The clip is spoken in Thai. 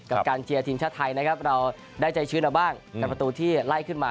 กับการเชียร์ทีมชาติไทยนะครับเราได้ใจชื้นเอาบ้างกับประตูที่ไล่ขึ้นมา